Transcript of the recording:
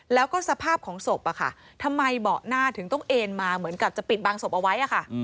แล้วก็สภาพของศพทำไมเบาะหน้าถึงต้องเอ็นมาเหมือนกับจะปิดบางศพเอาไว้ค่ะ